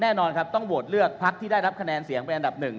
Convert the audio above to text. แน่นอนครับต้องโหวตเลือกพักที่ได้รับคะแนนเสียงเป็นอันดับหนึ่ง